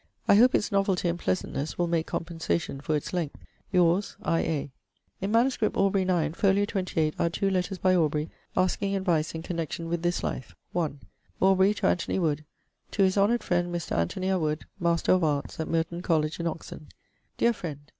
I hope its novelty and pleasantness will make compensation for its length. Yours, I. A.' In MS. Aubr. 9, fol. 28ᵛ are two letters by Aubrey, asking advice in connexion with this life. i. Aubrey to Anthony Wood. 'To his honoured friend Mr. Anthony à Wood, Master of Arts, at Merton College in Oxon. Deare friend!